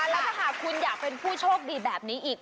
แล้วถ้าหากคุณอยากเป็นผู้โชคดีแบบนี้อีก